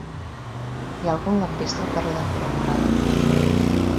Hi ha algun lampista al carrer de Pere Moragues?